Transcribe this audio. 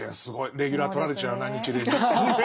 レギュラー取られちゃうな日蓮に。